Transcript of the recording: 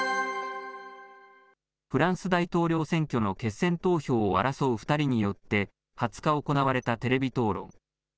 フランス大統領選挙の決選投票を争う２人によって、２０日行われたテレビ討論。